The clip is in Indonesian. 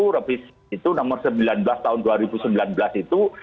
revisi itu nomor sembilan belas tahun dua ribu sembilan belas itu